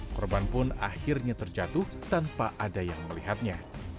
korban pun akhirnya terjatuh tanpa ada yang melihatnya